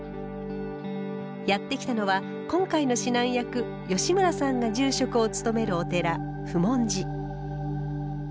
やって来たのは今回の指南役吉村さんが住職を務めるお寺普門寺。